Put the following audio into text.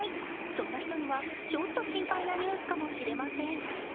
そんな人には、ちょっと心配なニュースかもしれません。